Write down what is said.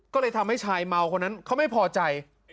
ก็เลยทำให้ชายเมาคนนั้นเขาไม่พอใจ